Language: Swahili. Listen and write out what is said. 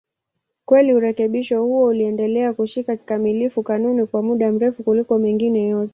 Kweli urekebisho huo uliendelea kushika kikamilifu kanuni kwa muda mrefu kuliko mengine yote.